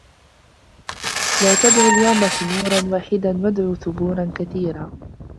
لَا تَدْعُوا الْيَوْمَ ثُبُورًا وَاحِدًا وَادْعُوا ثُبُورًا كَثِيرًا